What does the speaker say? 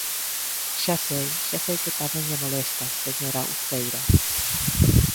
Xa sei, xa sei que tamén lle molesta, señora Uceira.